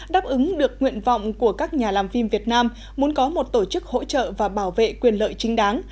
đáp ứng được nguyện vọng của các nhà làm phim việt nam muốn có một tổ chức hỗ trợ và bảo vệ quyền lợi chính đáng